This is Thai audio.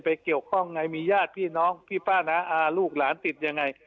เกี่ยวข้องไงมีญาติพี่น้องพี่ป้าน้าอาลูกหลานติดยังไง